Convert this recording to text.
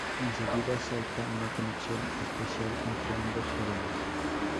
Enseguida salta una conexión especial entre ambos jóvenes.